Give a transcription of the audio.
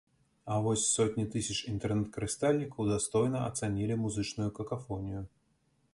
А вось сотні тысяч інтэрнэт-карыстальнікаў дастойна ацанілі музычную какафонію.